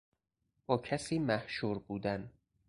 با کسی محشور بودن